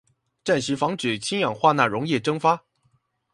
暫時防止氫氧化鈉溶液蒸發